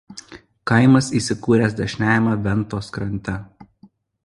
Kaimas įsikūręs dešiniajame Ventos krante.